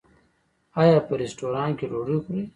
ایا په رستورانت کې ډوډۍ خورئ؟